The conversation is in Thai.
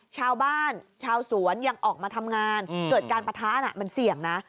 ชาวบ้านชาวสวนยังออกมาทำงานเกิดการปะทะน่ะมันเสี่ยงนะ